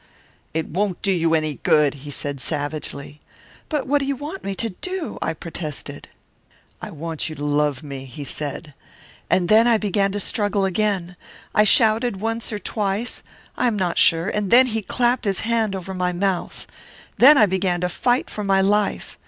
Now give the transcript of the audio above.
"'It won't do you any good,' he said savagely. "'But what do you want me to do?" I protested. "'I want you to love me,' he said. "And then I began to struggle again. I shouted once or twice, I am not sure, and then he clapped his hand over my mouth. Then I began to fight for my life.